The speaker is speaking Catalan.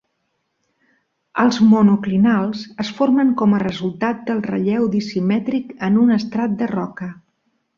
Els monoclinals es formen com a resultat del relleu dissimètric en un estrat de roca.